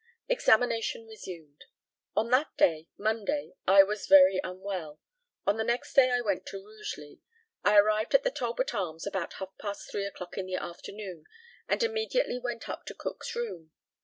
Examination resumed: On that day (Monday) I was very unwell. On the next day I went to Rugeley. I arrived at the Talbot Arms about half past three o'clock in the afternoon, and immediately went up to Cook's room.